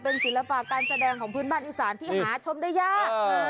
เป็นศิลปะการแสดงของพื้นบ้านอีสานที่หาชมได้ยาก